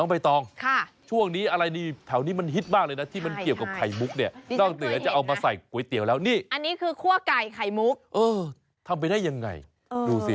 อันนี้คือขั้วไก่ไข่หมุ๊กเออทำไปได้ยังไงดูสิ